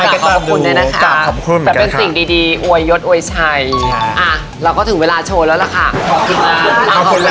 ขอขอบคุณนะคะเป็นสิ่งดีโวยยดโวยชัยเราก็ถึงเวลาโชว์แล้วละค่ะขอบคุณมาก